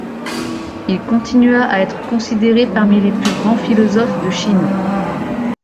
Il continua à être considéré parmi les plus grands philosophes de Chine.